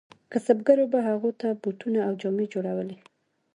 کسبګرو به هغو ته بوټونه او جامې جوړولې.